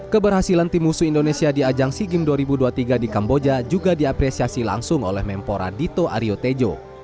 keberhasilan tim musuh indonesia di ajang sea games dua ribu dua puluh tiga di kamboja juga diapresiasi langsung oleh mempora dito aryo tejo